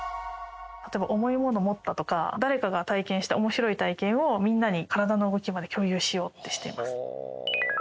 例えば重いものを持ったとか、誰かが体験したおもしろい体験を、みんなに体の動きまで共有しようとしてます。